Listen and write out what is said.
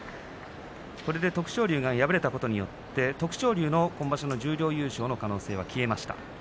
これで徳勝龍が敗れたことによって、徳勝龍の今場所の十両優勝の可能性は消えました。